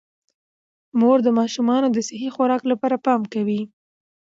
مور د ماشومانو د صحي خوراک لپاره پام کوي